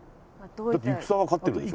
だって戦は勝ってるでしょ？